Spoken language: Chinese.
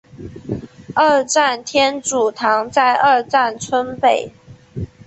二站天主堂在二站村北。